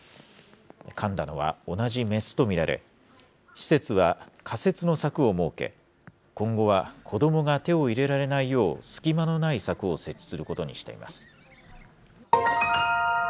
かんだのは同じ雌と見られ、施設は仮設の柵を設け、今後は子どもが手を入れられないよう、隙間のない柵を設置することにしています。